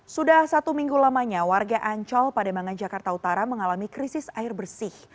sudah satu minggu lamanya warga ancol pademangan jakarta utara mengalami krisis air bersih